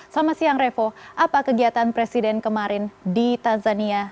selamat siang revo apa kegiatan presiden kemarin di tanzania